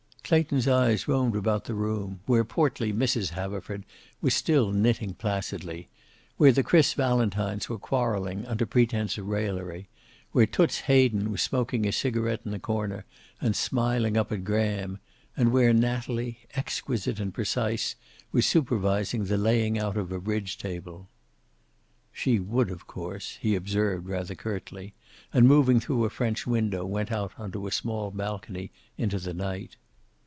Clayton's eyes roamed about the room, where portly Mrs. Haverford was still knitting placidly, where the Chris Valentines were quarreling under pretense of raillery, where Toots Hayden was smoking a cigaret in a corner and smiling up at Graham, and where Natalie, exquisite and precise, was supervising the laying out of a bridge table. "She would, of course," he observed, rather curtly, and, moving through a French window, went out onto a small balcony into the night.